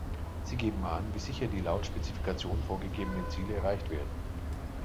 Sie geben an, wie sicher die laut Spezifikation vorgegebenen Ziele erreicht werden.